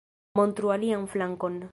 Montru alian flankon